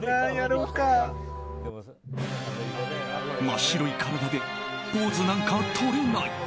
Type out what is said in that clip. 真っ白い体でポーズなんか取れない！